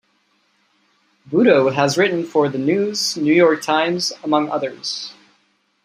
Bhutto has written for "The News", "New York Times", among others.